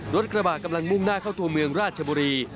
รถกระบะกำลังมุ่งหน้าเข้าตัวเมืองราชบุรี